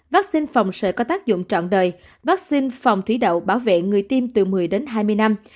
vaccine phòng sợi có tác dụng trọn đời vaccine phòng thí đậu bảo vệ người tiêm từ một mươi đến hai mươi năm